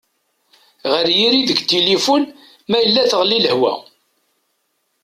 Ɣer-iyi deg tilifun ma yella teɣli lehwa.